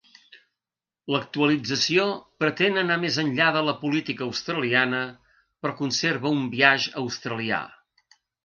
L'actualització pretén anar més enllà de la política australiana, però conserva un biaix australià.